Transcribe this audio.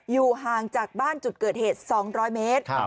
อยู่ห่างจากบ้านจุดเกิดเหตุ๒๐๐เมตร